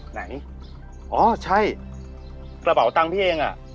ไหนอ๋อใช่กระเป๋าตังค์พี่เองอ่ะ